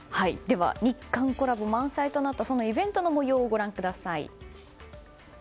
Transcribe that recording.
日韓コラボ満載となったイベントの模様をご覧ください。